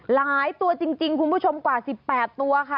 หลายตัวจริงคุณผู้ชมกว่า๑๘ตัวค่ะ